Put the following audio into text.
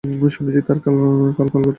শুনছি তোরা কাল কলকাতায় যাচ্ছিস।